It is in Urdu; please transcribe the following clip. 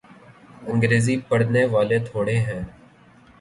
انگریزی پڑھنے والے تھوڑے ہیں۔